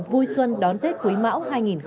vui xuân đón tết quý mão hai nghìn hai mươi